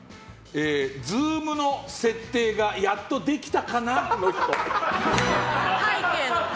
Ｚｏｏｍの設定がやっとできたかなの人。